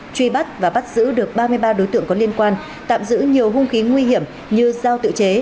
truy bắt và bắt giữ được ba mươi ba đối tượng có liên quan tạm giữ nhiều hung khí nguy hiểm như dao tự chế